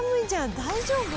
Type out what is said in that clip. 大丈夫？